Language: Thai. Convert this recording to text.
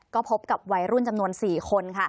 ก็พบกับวัยรุ่นจำนวน๔คน